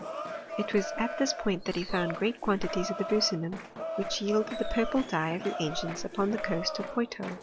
It was at this period that he found great quantities of the buccinum, which yielded the purple dye of the ancients, upon the coast of Poitou.